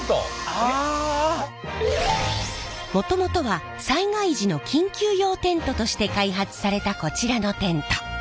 もともとは災害時の緊急用テントとして開発されたこちらのテント。